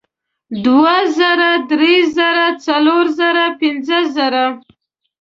دوه زره درې زره څلور زره پینځه زره